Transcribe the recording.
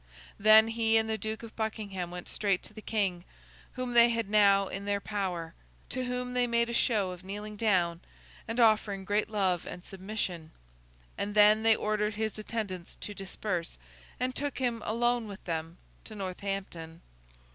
Then, he and the Duke of Buckingham went straight to the King (whom they had now in their power), to whom they made a show of kneeling down, and offering great love and submission; and then they ordered his attendants to disperse, and took him, alone with them, to Northampton.